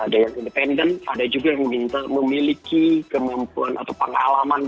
daya independen ada juga yang meminta memiliki kemampuan atau pengalaman